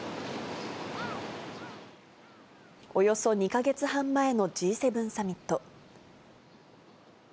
およそ２か月半前のＧ７サミット。